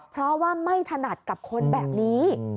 เพราะว่าไม่ถนัดกับคนแบบนี้